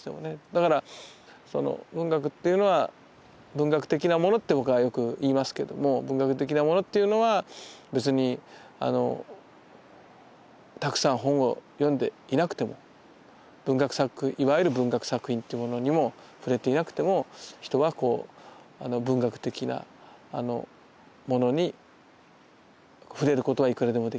だから文学っていうのは「文学的なもの」って僕はよく言いますけども文学的なものっていうのは別にたくさん本を読んでいなくてもいわゆる「文学作品」っていうものにも触れていなくても人は文学的なものに触れることはいくらでもできる。